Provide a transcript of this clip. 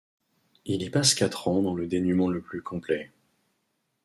Il y passe quatre ans dans le dénuement le plus complet.